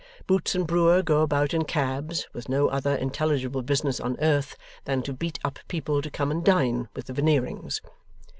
Boots and Brewer go about in cabs, with no other intelligible business on earth than to beat up people to come and dine with the Veneerings.